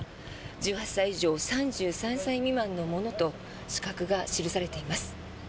１８歳以上３３歳未満の者と資格が記されています。